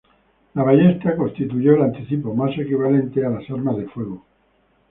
La ballesta constituyó el anticipo más equivalente a las armas de fuego.